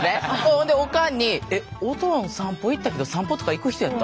ほんでオカンに「えオトン散歩行ったけど散歩とか行く人やった？」